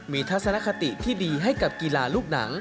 มีทัศนคติที่ดีให้กับกีฬาลูกหนัง